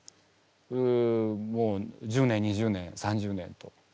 １０年２０年３０年と。